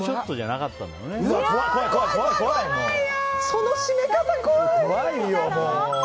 その締め方、怖い。